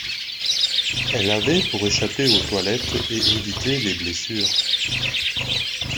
Elle avait pour échapper aux toilettes et éviter les blessures.